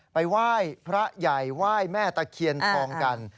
ไปไหว้พระใหญ่ไหว้แม่ตะเคียนทองกัน